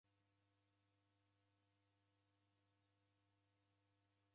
Nguw'o rose ranyelwa ni vua.